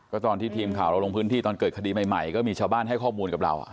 ก็ตอนที่ทีมข่าวเราลงพื้นที่ตอนเกิดคดีใหม่ก็มีชาวบ้านให้ข้อมูลกับเรา